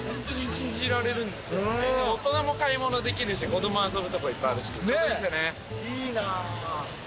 大人も買い物できるし子供遊ぶとこいっぱいあるしでちょうどいい。